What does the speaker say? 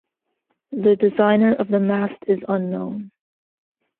The designer of the mast is unknown.